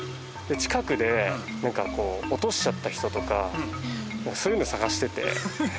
近くでなんかこう落としちゃった人とかそういうの探してて。